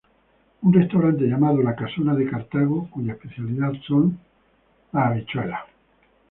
Un restaurante llamado "La Casona de Cartago" cuya especialidad son las carnes.